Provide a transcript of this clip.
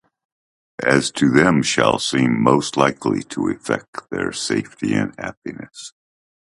as to them shall seem most likely to effect their Safety and Happiness.